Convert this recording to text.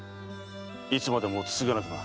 いつまでもつつがなくな。